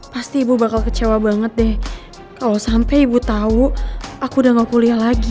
pasti ibu bakal kecewa banget deh kalau sampai ibu tahu aku udah gak kuliah lagi